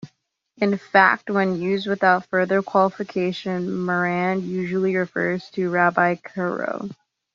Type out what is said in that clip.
In fact, when used without further qualification, Maran usually refers to Rabbi Karo.